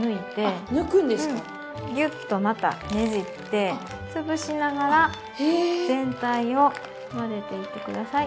ギュッとまたねじって潰しながら全体を混ぜていって下さい。